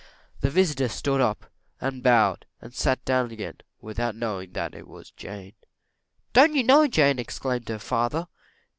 The visitor stood up and bowed, and sat down again, without knowing that it was Jane. "Don't you know Jane?" exclaimed her father.